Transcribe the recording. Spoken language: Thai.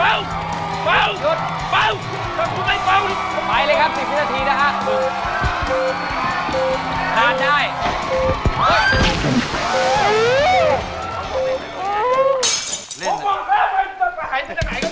โร่ของเขาไม่ศักดิ์หายชักไหนกัน